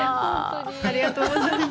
ありがとうございます。